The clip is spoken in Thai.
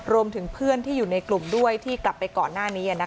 รวมถึงเพื่อนที่อยู่ในกลุ่มด้วยที่กลับไปก่อนหน้านี้